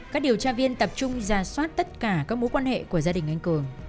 các điều tra viên tập trung ra soát tất cả các mối quan hệ của gia đình anh cường